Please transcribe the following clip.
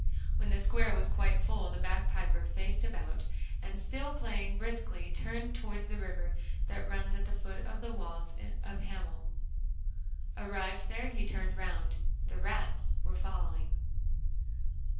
When the square was quite full the bagpiper faced about, and, still playing briskly, turned towards the river that runs at the foot of the walls of Hamel. Arrived there he turned round; the rats were following.